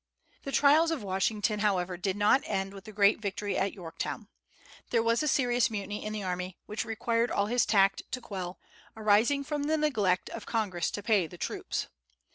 The trials of Washington, however, did not end with the great victory at Yorktown. There was a serious mutiny in the army which required all his tact to quell, arising from the neglect of Congress to pay the troops.